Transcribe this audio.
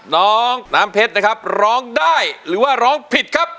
น้องน้ำเพชรนะครับร้องได้หรือว่าร้องผิดครับ